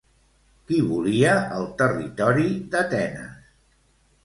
Qui volia el territori d'Atenes?